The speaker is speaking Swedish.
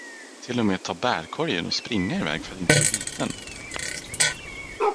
Till och med ta bärkorgen och springa er väg för att inte bli biten?